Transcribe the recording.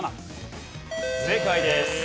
正解です。